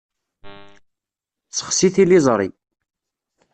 Sexsi tiliẓṛi.